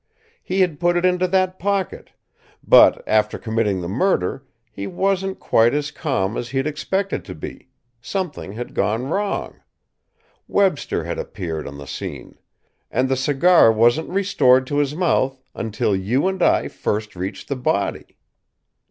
"He had put it into that pocket, but, after committing the murder, he wasn't quite as calm as he'd expected to be something had gone wrong; Webster had appeared on the scene and the cigar wasn't restored to his mouth until you and I first reached the body.